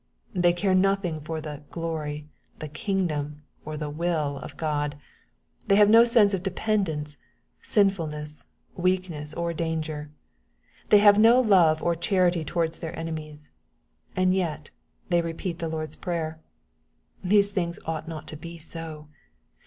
They care nothing for the " glory," the " kingdom," or the " wiU" of God, They have no sense of dependence, sinfulness, weakness, or danger. They have no love or charity towards their enemies. And yet they repeat the Lord's Prayer ! These things ought not to be so.